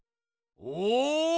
お！